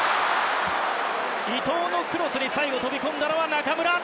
伊東のクロスに最後、飛び込んだのが中村！